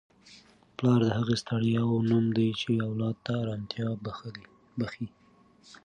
پلار د هغو ستړیاوو نوم دی چي اولاد ته ارامتیا بخښي.